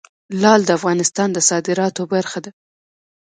لعل د افغانستان د صادراتو برخه ده.